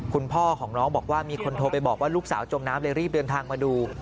คุณพ่อของน้องบอกว่ามีคนโทรไปบอกว่าลูกสาวจมน้ำเลยรีบเดินทางมาดู